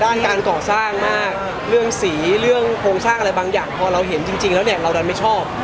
ด้านการก่อสร้างมากเรื่องสีเพราะเราเห็นจริงแล้วเราไม่ชอบ